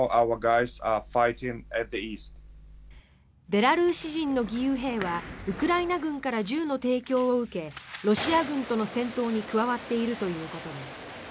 ベラルーシ人の義勇兵はウクライナ軍から銃の提供を受けロシア軍との戦闘に加わっているということです。